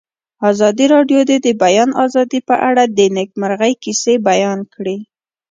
ازادي راډیو د د بیان آزادي په اړه د نېکمرغۍ کیسې بیان کړې.